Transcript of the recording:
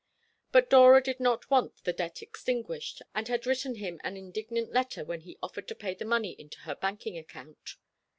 But Dora did not want the debt extinguished, and had written him an indignant letter when he offered to pay the money into her banking account.